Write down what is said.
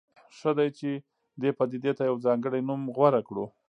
ښه ده چې دې پدیدې ته یو ځانګړی نوم غوره کړو.